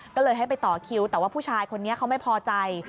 ก็เลยให้ไปต่อคิวแต่ว่าผู้ชายคนนี้เขาไม่พอใจ